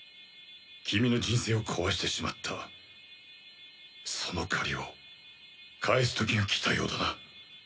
君の人生を壊してしまったその借りを返す時がきたようだな。